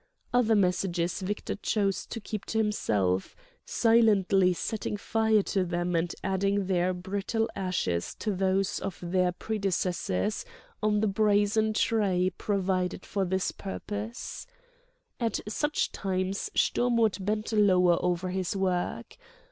Other messages Victor chose to keep to himself, silently setting fire to them and adding their brittle ashes to those of their predecessors on the brazen tray provided for the purpose. At such times Sturm would bend lower over his work.